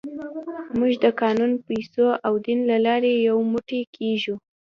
موږ د قانون، پیسو او دین له لارې یو موټی کېږو.